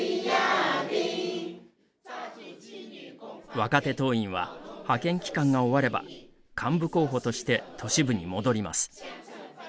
若手党員は派遣期間が終われば幹部候補として都市部に戻ります。